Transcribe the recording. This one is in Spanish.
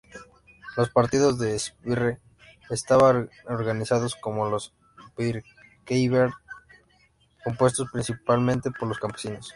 Los partidarios de Sverre estaban organizados como los birkebeiner, compuestos principalmente por campesinos.